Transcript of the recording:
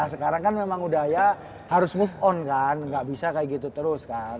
sekarang kan memang budaya harus move on kan nggak bisa kayak gitu terus kan